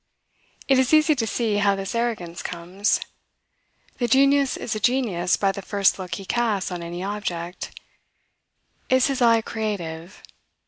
It is easy to see how this arrogance comes. The genius is a genius by the first look he casts on any object. Is his eye creative?